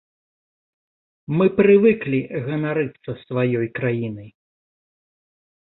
Мы прывыклі ганарыцца сваёй краінай.